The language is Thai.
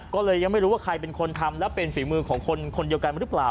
ก็เลยยังไม่รู้ว่าใครเป็นคนทำแล้วเป็นฝีมือของคนคนเดียวกันหรือเปล่า